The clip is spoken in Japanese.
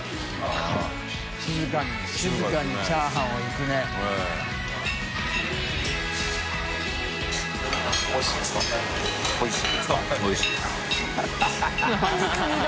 静かにチャーハンをいくね静かですね。